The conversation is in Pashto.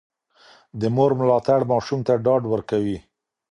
د مور ملاتړ ماشوم ته ډاډ ورکوي.